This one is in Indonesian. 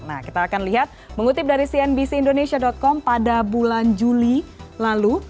nah kita akan lihat mengutip dari cnbc indonesia com pada bulan juli lalu